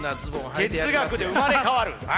哲学で生まれ変わる！